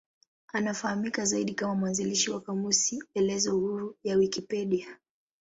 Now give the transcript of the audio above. Anafahamika zaidi kama mwanzilishi wa kamusi elezo huru ya Wikipedia.